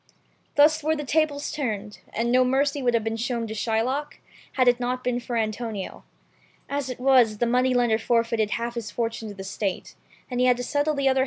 Thus were the tables turned, and no mercy would have been shown to Shylock, had it not been for Antonio. As it was, the Jew forfeited half his fortune to the State, and he had to settle the other n THE CHILDREN'S SHAKESPEARES.